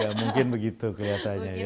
ya mungkin begitu kelihatannya ya